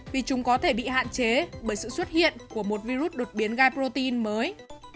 vì chúng có thể bị hạn chế bởi sự xuất hiện của một virus đột biến gai protein mới